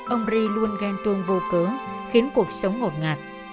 ông ri luôn ghen tuông vô cớ khiến cuộc sống ngột ngạt